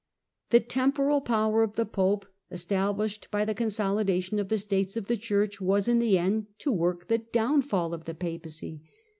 The temporal power of the Pope, established by the consolidation of the States of the Church, was in the end to work the downfall of the Papacy.